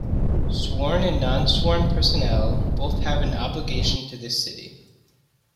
Sworn and non-sworn personnel both have an obligation to this city